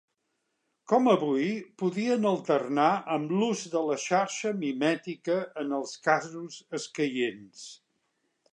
Com avui, podien alternar amb l'ús de la xarxa mimètica en els casos escaients.